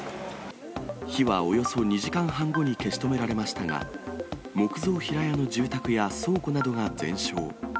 火はおよそ２時間半後に消し止められましたが、木造平屋の住宅や倉庫などが全焼。